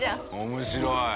面白い。